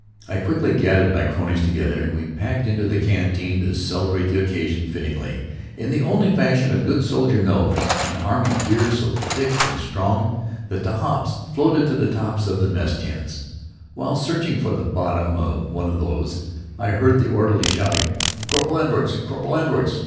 I quickly gathered my cronies together and we packed into the canteen to celebrate the occasion fittingly, in the only fashion a good soldier knows, in army beer so thick and strong that the hops floated on the tops of the mess tins. While searching for the bottom of one of these I heard the orderly shouting: "Corporal Edwards! Corporal Edwards!"